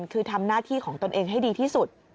คือทำหน้าที่ของตนเองให้ดีที่สุด